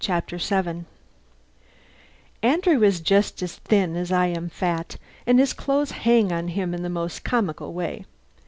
CHAPTER SEVEN Andrew is just as thin as I am fat, and his clothes hang on him in the most comical way.